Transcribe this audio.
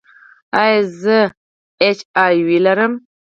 ایا زه ایچ آی وي لرم؟